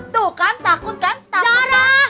tuh kan takut kan takut